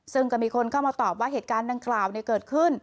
ซึ่งก็มีคนเข้ามาตอบว่าเหตุการณ์ดังกล่าวเกิดขึ้น